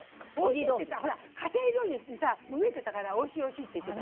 ほら家庭料理にさ飢えてたからおいしいおいしいって言ってた。